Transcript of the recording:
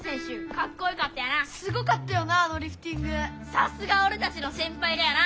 さすがおれたちの先輩だよな！